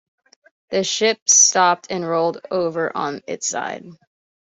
The ship stopped and rolled over on its side.